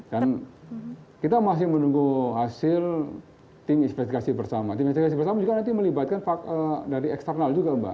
dan kita masih menunggu hasil tim investigasi bersama tim investigasi bersama juga nanti melibatkan dari eksternal juga mbak